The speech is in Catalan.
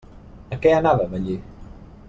A què anaven allí?